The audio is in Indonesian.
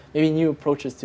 mungkin cara baru